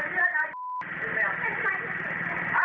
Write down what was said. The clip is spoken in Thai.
เอ้ยพี่ทำเด็กอย่างนี้ไม่ได้